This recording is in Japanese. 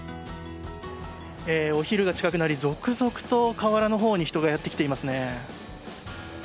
お昼が近くなり続々と川原のほうに人がやってきていますね。